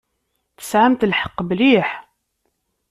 Tesɛamt lḥeqq mliḥ.